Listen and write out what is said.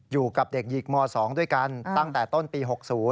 อยู่กับเด็กหญิงม๒ด้วยกันตั้งแต่ต้นปี๖๐